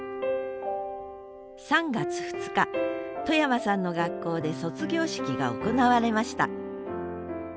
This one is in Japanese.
３月２日外山さんの学校で卒業式が行われました